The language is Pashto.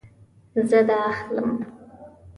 زه دا اخلم